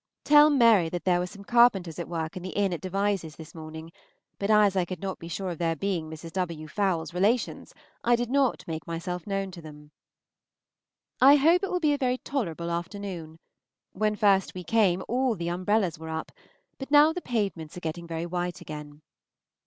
Tell Mary that there were some carpenters at work in the inn at Devizes this morning, but as I could not be sure of their being Mrs. W. Fowle's relations, I did not make myself known to them. I hope it will be a tolerable afternoon. When first we came, all the umbrellas were up, but now the pavements are getting very white again.